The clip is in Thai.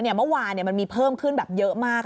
เมื่อวานมีเพิ่มขึ้นเยอะมาก๑๔๐๐๐